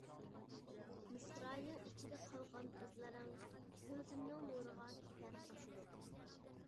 مىسرايىڭ ئىچىدە قالغان ئىزلىرىڭ، كۆزۈمنىڭ نۇرىغا كېتەر قوشۇلۇپ.